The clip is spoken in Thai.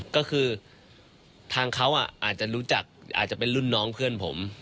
ก็คือทางเขาอาจจะรู้จักอาจจะเป็นรุ่นน้องเพื่อนผม